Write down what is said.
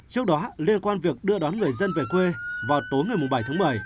trước đó liên quan việc đưa đón người dân về quê vào tối ngày bảy tháng bảy